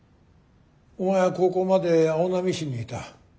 お前は高校まで青波市にいた。